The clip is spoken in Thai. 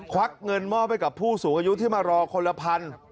วักเงินมอบให้กับผู้สูงอายุที่มารอคนละพัน